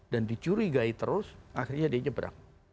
dan dicurigai terus akhirnya dia nyeberang